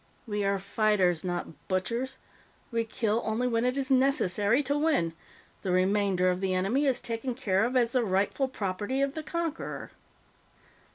We are fighters, not butchers. We kill only when it is necessary to win; the remainder of the enemy is taken care of as the rightful property of the conqueror."